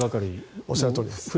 おっしゃるとおりです。